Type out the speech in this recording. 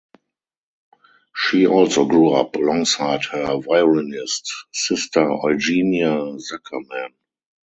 She also grew up alongside her violinist sister Eugenia Zukerman.